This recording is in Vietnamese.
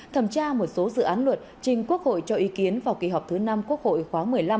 thẩm tra một số dự án luật trình quốc hội cho ý kiến vào kỳ họp thứ năm quốc hội khóa một mươi năm